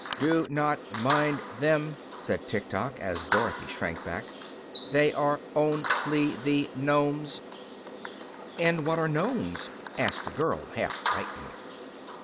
"Do not mind them," said Tiktok, as Dorothy shrank back. "They are on ly the Nomes." "And what are Nomes?" asked the girl, half frightened.